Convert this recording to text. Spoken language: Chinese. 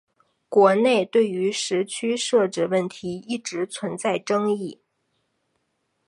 国内对于时区设置问题一直存在争议。